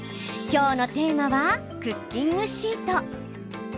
きょうのテーマはクッキングシート！